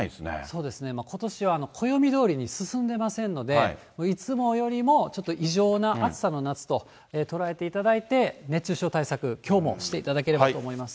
そうですね、ことしは暦どおりに進んでませんので、いつもよりもちょっと異常な暑さの夏ととらえていただいて、熱中症対策、きょうもしていただければと思います。